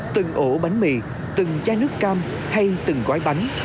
từng ổ bánh mì từng chai nước cam hay từng gói bánh